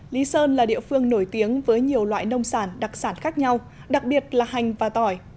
lý sơn là địa phương nổi tiếng với nhiều loại nông sản đặc sản khác nhau đặc biệt là hành và tỏi